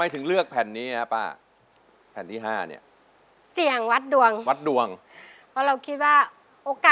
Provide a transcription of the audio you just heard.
หกหมื่นบาทเชิญบ๊าย